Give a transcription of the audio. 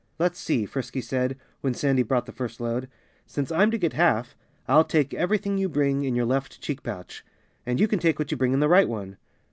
"Let's see " Frisky said, when Sandy brought the first load "since I'm to get half, I'll take everything you bring in your left cheek pouch. And you can take what you bring in the right one."